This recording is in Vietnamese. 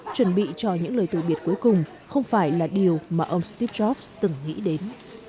chuẩn bị cho những lời từ biệt cuối cùng không phải là điều mà ông steve jobs từng nghĩ đến